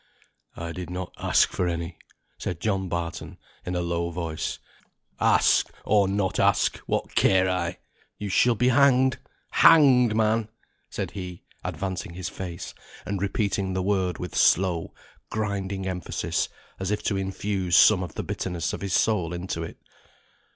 "I did not ask for any," said John Barton, in a low voice. "Ask, or not ask, what care I? You shall be hanged hanged man!" said he, advancing his face, and repeating the word with slow, grinding emphasis, as if to infuse some of the bitterness of his soul into it.